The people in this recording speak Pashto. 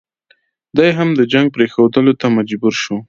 دی هم د جنګ پرېښودلو ته مجبور شو.